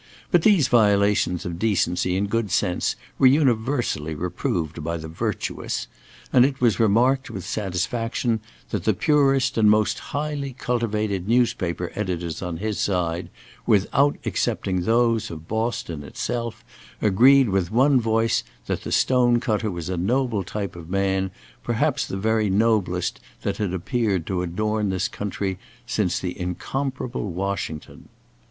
But these violations of decency and good sense were universally reproved by the virtuous; and it was remarked with satisfaction that the purest and most highly cultivated newspaper editors on his side, without excepting those of Boston itself; agreed with one voice that the Stone cutter was a noble type of man, perhaps the very noblest that had appeared to adorn this country since the incomparable Washington.